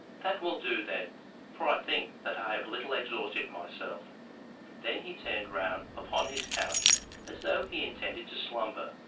"That will do, then, for I think that I have a little exhausted myself." Then he turned round upon his couch, as though he intended to slumber.